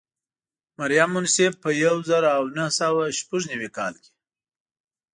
مریم منصف په یو زر او نهه سوه شپږ نوي کال کې.